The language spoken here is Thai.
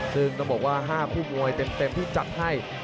ซึ่งต้องบอกว่า๕คู่มวยเต็มที่จัดให้